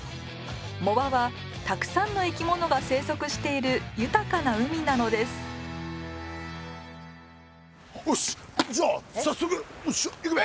藻場はたくさんの生き物が生息している豊かな海なのですよしじゃあ早速行くべ。